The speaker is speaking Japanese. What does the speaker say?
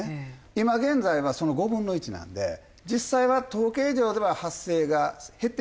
今現在はその５分の１なんで実際は統計上では発生が減ってるわけですよ。